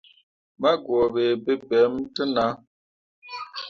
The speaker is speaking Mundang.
Ma guuɓe bebemme te nah.